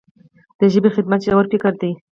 د ژبې خدمت ژور فکر دی.